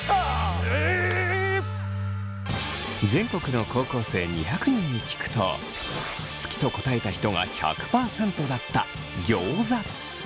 全国の高校生２００人に聞くと好きと答えた人が１００％だったギョーザ。